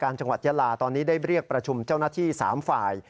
เรียกประชุมเจ้าหน้าที่๓ฝ่าย